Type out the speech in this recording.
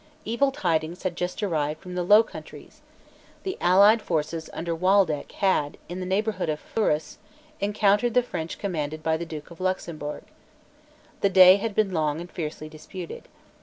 Evil tidings had just arrived from the Low Countries. The allied forces under Waldeck had, in the neighbourhood of Fleurus, encountered the French commanded by the Duke of Luxemburg. The day had been long and fiercely disputed.